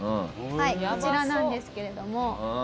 こちらなんですけれども。